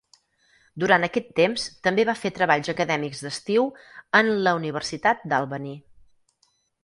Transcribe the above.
Durant aquest temps també va fer treballs acadèmics d'estiu en la Universitat d'Albany.